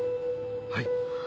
はい。